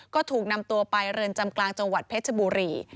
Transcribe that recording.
ก็ถูกนำตัวไปเรือนจำกลางจังหวัดเพชรบุรี